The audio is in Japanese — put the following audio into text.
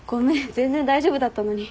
全然大丈夫だったのに。